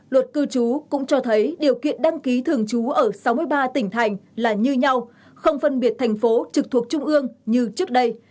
luật cư trú cũng cho thấy điều kiện đăng ký thường trú ở sáu mươi ba tỉnh thành là như nhau không phân biệt thành phố trực thuộc trung ương như trước đây